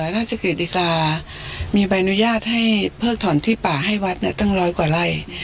ราชกิจามีใบอนุญาตให้เพิกถอนที่ป่าให้วัดตั้งร้อยกว่าไร่